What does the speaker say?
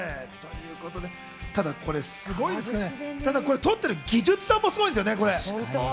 ただこれ、撮ってる技術さんもすごいですよね。